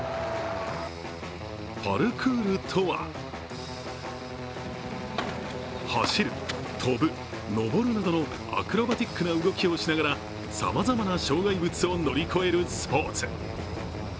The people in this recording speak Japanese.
パルクールとは、走る、跳ぶ、登るなどのアクロバティックな動きをしながら、さまざまな障害物を乗り越えるスポーツ。